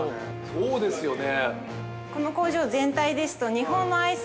◆そうですよね。